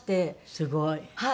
すごい。